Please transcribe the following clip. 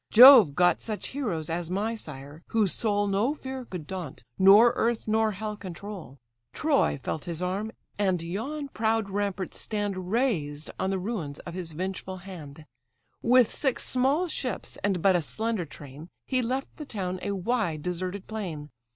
Jove got such heroes as my sire, whose soul No fear could daunt, nor earth nor hell control. Troy felt his arm, and yon proud ramparts stand Raised on the ruins of his vengeful hand: With six small ships, and but a slender train, He left the town a wide deserted plain.